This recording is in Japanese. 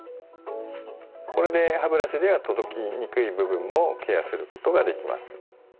これで歯ブラシでは届きにくい部分もケアすることができます。